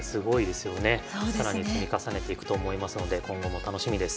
更に積み重ねていくと思いますので今後も楽しみです。